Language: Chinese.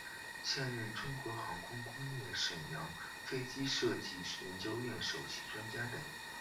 现任中国航空工业沈阳飞机设计研究所首席专家等。